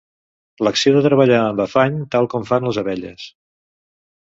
L'acció de treballar amb afany tal com fan les abelles.